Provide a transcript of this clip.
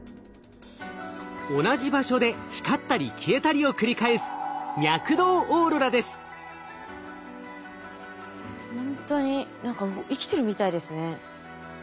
同じ場所で光ったり消えたりを繰り返すほんとに何か生きてるみたいですね。